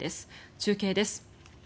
中継です。